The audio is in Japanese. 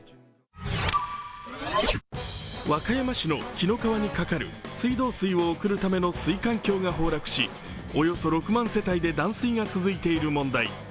和歌山市の紀の川にかかる水道水をかけるための水管橋が崩落しおよそ６万世帯で断水が続いている問題。